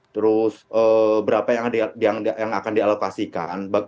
terus berapa yang akan dialokasikan